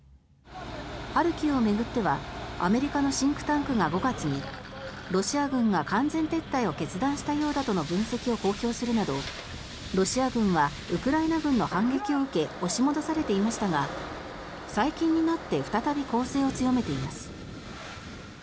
ハルキウを巡ってはアメリカのシンクタンクが５月にロシア軍が完全撤退を決断したようだとの分析を公表するなどロシア軍はウクライナ軍の反撃を受け押し戻されていましたが最近になって再び攻勢を強めています。